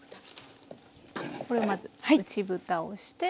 これをまず内ぶたをして。